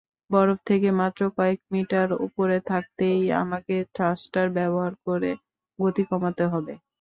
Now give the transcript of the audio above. বরফ থেকে মাত্র কয়েক মিটার ওপরে থাকতেই আমাকে থ্রাস্টার ব্যবহার করে গতি কমাতে হবে।